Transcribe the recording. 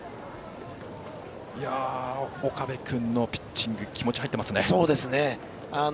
岡部君のピッチング気持ち、入っていますね。